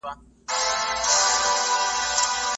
ښځه د ښې کورنۍ په خاطر په نکاح کيږي